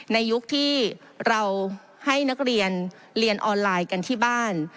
ในยุคที่เราให้นักเรียนเรียนออนไลน์กันที่บ้าน